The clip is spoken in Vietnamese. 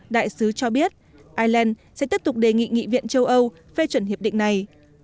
đại sứ cho biết ireland sẽ tiếp tục đề nghị nghị viện châu âu phê chuẩn hiệp định này